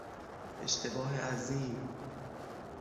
اشتباه عظیم